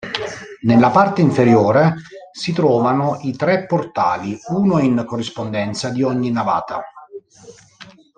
Nella parte inferiore si trovano i tre portali, uno in corrispondenza di ogni navata.